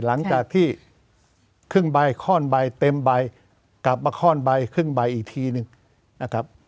หลังจากที่ครึ่งใบข้อนใบเต็มใบกลับมาคล่อนใบครึ่งใบอีกทีหนึ่งนะครับ